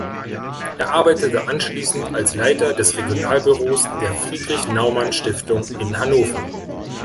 Er arbeitete anschließend als Leiter des Regionalbüros der Friedrich-Naumann-Stiftung in Hannover.